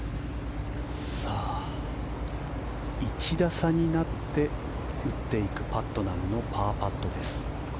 １打差になって打っていくパットナムのパーパットです。